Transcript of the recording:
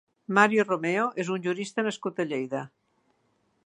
Mario Romeo és un jurista nascut a Lleida.